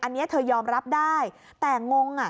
อันนี้เธอยอมรับได้แต่งงอ่ะ